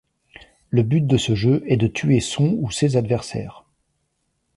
Le but de ce jeu est de tuer son ou ses adversaires.